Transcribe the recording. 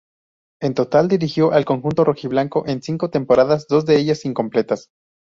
En total dirigió al conjunto rojiblanco en cinco temporadas, dos de ellas incompletas.